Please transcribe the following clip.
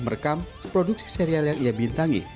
merekam produksi serial yang ia bintangi